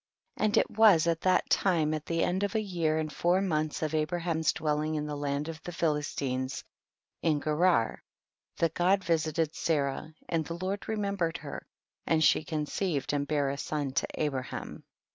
And it was at that time at the end of a year and four months of Abraham's dwelling in the land of the Philistines in Gerar, that God visited Sarah, and the Lord remem bered her, and she conceived and bare a son to Abraham.